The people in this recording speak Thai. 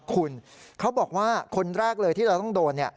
คุณเขาบอกว่าคนแรกเลยที่เราต้องโดนเนี่ย